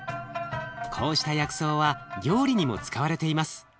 こうした薬草は料理にも使われています。